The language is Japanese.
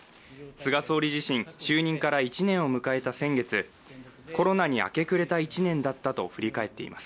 菅総理自身、就任から１年を迎えた先月、コロナに明け暮れた１年だったと振り返っています。